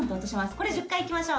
これ１０回いきましょう。